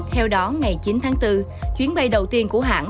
theo đó ngày chín tháng bốn chuyến bay đầu tiên của hãng